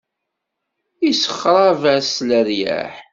Isexṛeb-as leryaḥ.